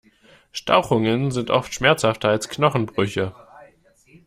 Stauchungen sind oft schmerzhafter als Knochenbrüche.